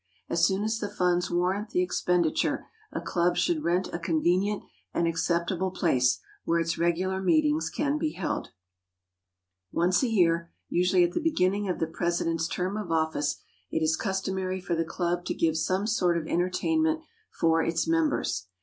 As soon as the funds warrant the expenditure, a club should rent a convenient and acceptable place, where its regular meetings can be held. [Sidenote: THE CLUB BREAKFAST] Once a year, usually at the beginning of the president's term of office, it is customary for the club to give some sort of entertainment for its members.